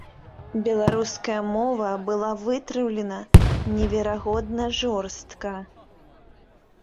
Беларуская мова была вытраўлена неверагодна жорстка.